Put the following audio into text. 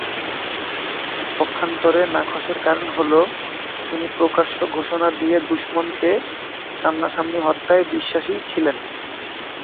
পক্ষান্তরে নাখোশের কারণ হলো, তিনি প্রকাশ্য ঘোষণা দিয়ে দুশমনকে সামনা-সামনি হত্যায় বিশ্বাসী ছিলেন।